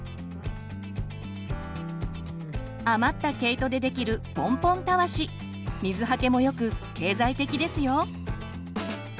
余った毛糸でできるポンポンたわし水はけもよく経済的ですよ。